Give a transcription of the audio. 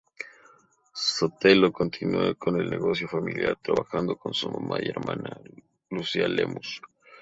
Sotelo continua con el negocio familiar, trabajando con su mamá y hermana Lucia Lemus.